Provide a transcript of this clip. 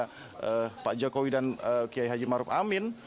karena pak jokowi dan kiai haji maruf amin